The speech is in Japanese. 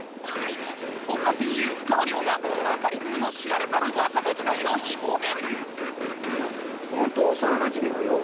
そんな戦友ふかわりょうがバカリズムの知られざる若手時代を証言